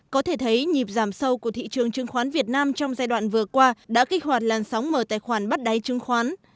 có thể thấy nhịp giảm sâu của thị trường chứng khoán việt nam trong giai đoạn vừa qua đã kích hoạt làn sóng mở tài khoản bắt đáy chứng khoán